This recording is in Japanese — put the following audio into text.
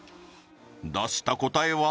出した答えは？